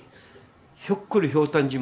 「ひょっこりひょうたん島」。